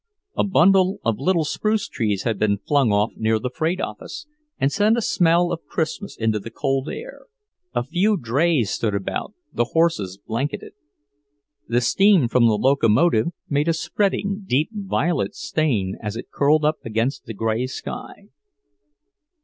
A bundle of little spruce trees had been flung off near the freight office, and sent a smell of Christmas into the cold air. A few drays stood about, the horses blanketed. The steam from the locomotive made a spreading, deep violet stain as it curled up against the grey sky.